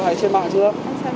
hay trên mạng chưa